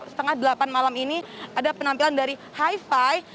setengah delapan malam ini ada penampilan dari hi fi